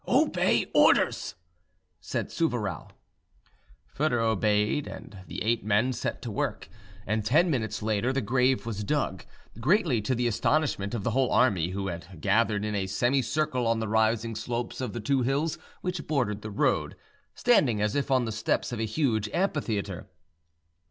"Obey orders," said Souvarow. Foedor obeyed, and the eight men set to work; and ten minutes later the grave was dug, greatly to the astonishment of the whole army, which had gathered in a semicircle on the rising slopes of the two hills which bordered the road, standing as if on the steps of a huge amphitheatre.